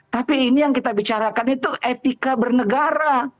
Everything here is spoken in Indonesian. tapi ini yang kita bicarakan itu etika bernegara